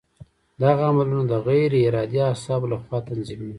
دغه عملونه د غیر ارادي اعصابو له خوا تنظیمېږي.